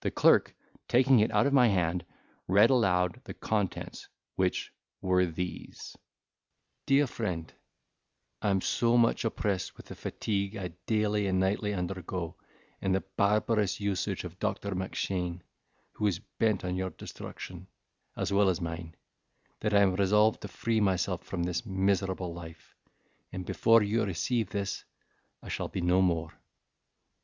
The clerk, taking it out of my hand, read aloud the contents, which were these; 'Dear Friend,—I am so much oppressed with the fatigue I daily and nightly undergo, and the barbarous usage of Doctor Mackshane, who is bent on your destruction as well as mine, that I am resolved to free myself from this miserable life, and, before you receive this, shall be no more.